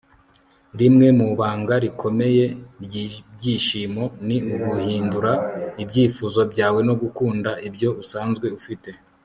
Rimwe mu banga rikomeye ryibyishimo ni uguhindura ibyifuzo byawe no gukunda ibyo usanzwe ufite